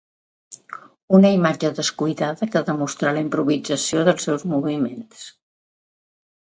Una imatge descuidada que demostra la improvisació dels seus moviments.